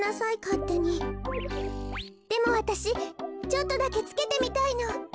でもわたしちょっとだけつけてみたいの。